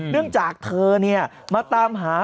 เนื่องจากเธอเนี่ยมาตามหา